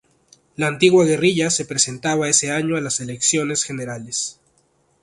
La antigua guerrilla se presentaba ese año a las elecciones generales.